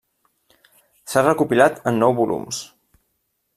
S'ha recopilat en nou volums.